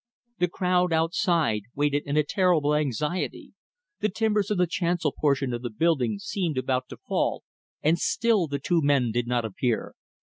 The crowd outside waited in a terrible anxiety. The timbers of the chancel portion of the building seemed about to fall, and still the two men did not appear.